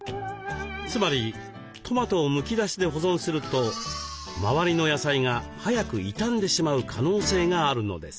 つまりトマトをむき出しで保存すると周りの野菜が早く傷んでしまう可能性があるのです。